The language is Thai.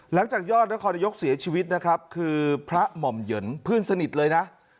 ยอดนครนายกเสียชีวิตนะครับคือพระหม่อมเหยินเพื่อนสนิทเลยนะ